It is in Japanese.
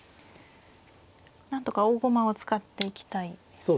なんとか大駒を使っていきたいですが。